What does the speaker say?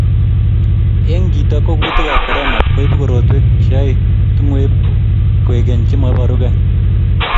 Eng chito ko kutikab korona koibu korotwek chei tungwekab kwekeny chemoiborukei